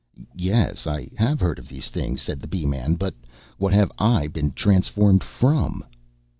"Yes, I have heard of these things," said the Bee man; "but what have I been transformed from?"